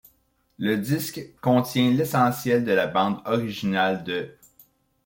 Le disque ' contient l'essentiel de la bande originale de '.